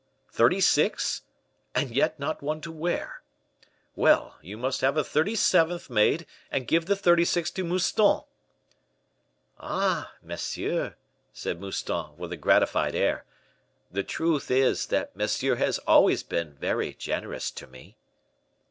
thirty six? and yet not one to wear. Well, you must have a thirty seventh made, and give the thirty six to Mouston." "Ah! monsieur!" said Mouston, with a gratified air. "The truth is, that monsieur has always been very generous to me."